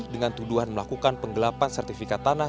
dengan tuduhan melakukan penggelapan sertifikat tanah